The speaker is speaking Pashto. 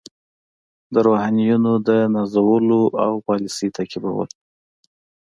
د روحانیونو د نازولو پالیسي تعقیبول.